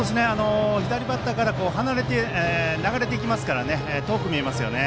左バッターから流れていきますから遠く見えますよね。